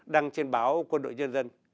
đăng trên báo quân đội nhân dân